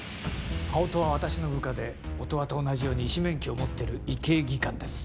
青戸は私の部下で音羽と同じように医師免許を持ってる医系技官です